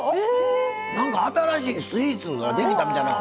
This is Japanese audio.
何か新しいスイーツができたみたいな。